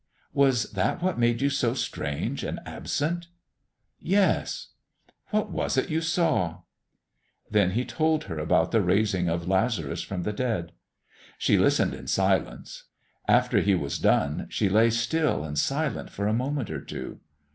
"Was that what made you so strange and absent?" "Yes." "What was it you saw?" Then he told her about the raising of Lazarus from the dead. She listened in silence. After he was done she lay still and silent for a moment or two.